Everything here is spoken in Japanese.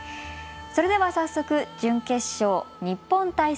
それでは早速準決勝日本対